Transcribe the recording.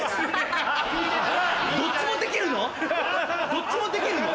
どっちもできるの？